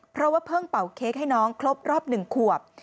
เพราะว่าเพิ่งเป่าเค้กให้น้องครบรอบ๑ขวบ